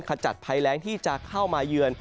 ขจัดภัยแรงที่จะเข้ามาเยือน